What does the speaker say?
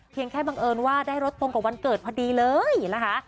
แค่บังเอิญว่าได้รถตรงกับวันเกิดพอดีเลยนะคะ